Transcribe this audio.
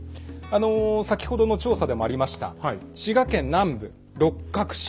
先ほどの調査でもありました滋賀県南部六角氏。